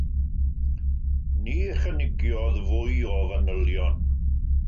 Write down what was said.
Ni chynigiodd fwy o fanylion.